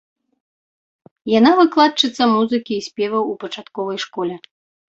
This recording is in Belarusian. Яна выкладчыца музыкі і спеваў у пачатковай школе.